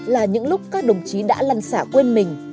là những lúc các đồng chí đã lăn xả quên mình